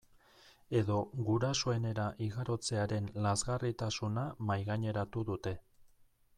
Edo gurasoenera igarotzearen lazgarritasuna mahaigaineratu dute.